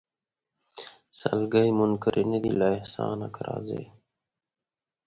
سلګۍ منکري نه دي له احسانه که راځې